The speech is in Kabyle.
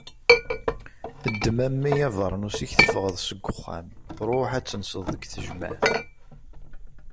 Ddem a mmi abernus-ik tefɣeḍ seg uxxam! Ruḥ ad tenseḍ deg tejmeɛt.